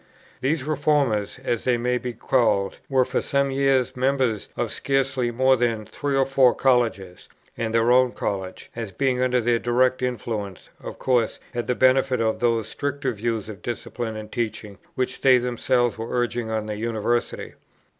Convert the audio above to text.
These Reformers, as they may be called, were for some years members of scarcely more than three or four Colleges; and their own Colleges, as being under their direct influence, of course had the benefit of those stricter views of discipline and teaching, which they themselves were urging on the University.